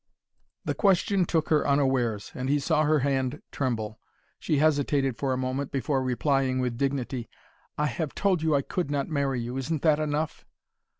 The question took her unawares, and he saw her hand tremble. She hesitated for a moment before replying, with dignity: "I have told you I could not marry you. Isn't that enough?"